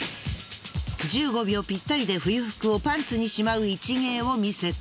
１５秒ピッタリで冬服をパンツにしまう一芸を見せた。